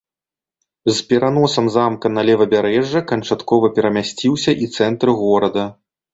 З пераносам замка на левабярэжжа канчаткова перамясціўся і цэнтр горада.